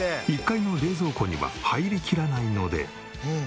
１階の冷蔵庫には入りきらないので。